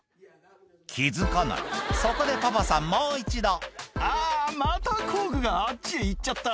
気付かないそこでパパさんもう一度「あぁまた工具があっちへいっちゃった」